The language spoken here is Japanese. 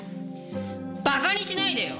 バカにしないでよ！